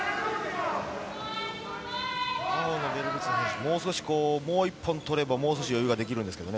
青のベルルツェワ選手、もう少し、もう１本取れば余裕ができるんですけどね。